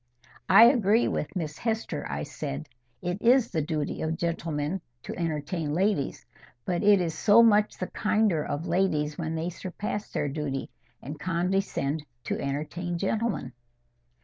"I agree with Miss Hester," I said. "It is the duty of gentlemen to entertain ladies. But it is so much the kinder of ladies when they surpass their duty, and condescend to entertain gentlemen."